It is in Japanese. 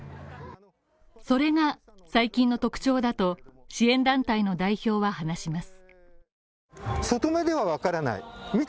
それが最近の特徴だと支援団体の代表は話します。